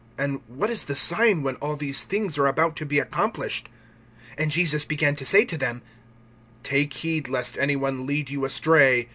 And what is the sign when all these things are about to be accomplished. (5)And Jesus began to say to them: Take heed lest any one lead you astray.